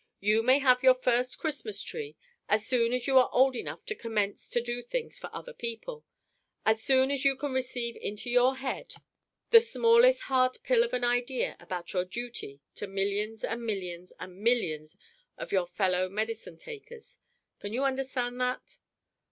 You may have your first Christmas Tree as soon as you are old enough to commence to do things for other people; as soon as you can receive into your head the smallest hard pill of an idea about your duty to millions and millions and millions of your fellow medicine takers. Can you understand that?"